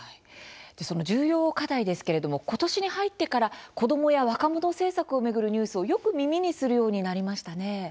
その重要課題ですけれども今年に入ってから子どもや若者政策を巡るニュースをよく耳にするようになりましたね。